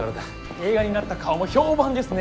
映画になった「顔」も評判ですね。